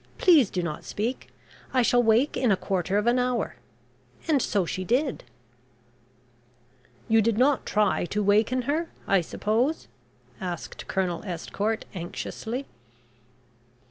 Please do not speak. I shall wake in a quarter of an hour.' And so she did." "You did not try to waken her, I suppose?" asked Colonel Estcourt anxiously.